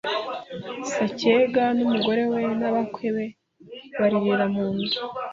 Sacyega n'umugore we n'abakwe be baririra munzu